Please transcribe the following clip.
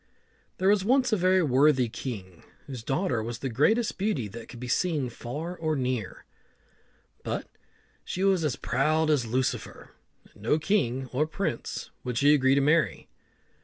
There was once a very worthy king, whose daughter was the greatest beauty that could be seen far or near, but she was as proud as Lucifer, and no king or prince would she agree to marry.